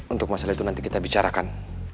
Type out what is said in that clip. untuk masalah itu nanti kita bicarakan